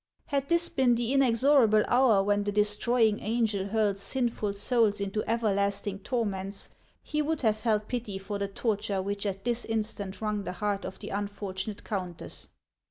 Had this been the inexorable hour when the destroying angel hurls sinful souls into everlasting torments, he would have felt pity for the torture which at this instant wrung the heart of the unfortunate countess.